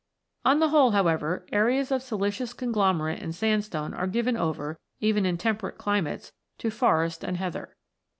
On the whole, however, areas of siliceous con glomerate and sandstone are given over, even in in] THE SANDSTONES 73 temperate climates, to forest and heather.